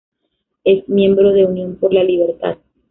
Es miembro de Unión por la Libertad.